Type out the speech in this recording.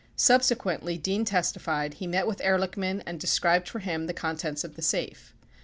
5 Subsequently, Dean testified, he met with Ehrlichman and described for him the contents of the safe.